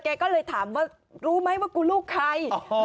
ก็เลยถามว่ารู้ไหมว่ากูลูกใคร